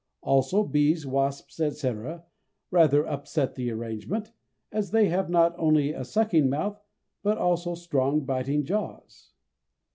Also bees, wasps, etc., rather upset the arrangement, as they have not only a sucking mouth but also strong biting jaws.